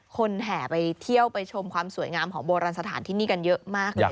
แห่ไปเที่ยวไปชมความสวยงามของโบราณสถานที่นี่กันเยอะมากเลย